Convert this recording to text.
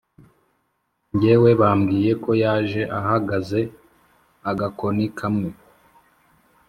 ngewe yambwiye ko yaje ahagaze agakoni kamwe